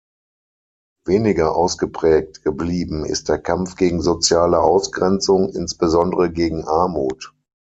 Weniger ausgeprägt geblieben ist der Kampf gegen soziale Ausgrenzung, insbesondere gegen Armut.